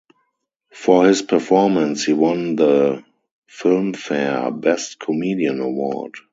For his performance, he won the Filmfare Best Comedian Award.